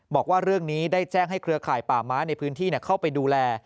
บอกว่าเรื่องนี้ได้แจ้งให้เครือข่ายป่าม้าในพื้นที่เข้าไปดูแล